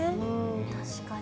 確かに。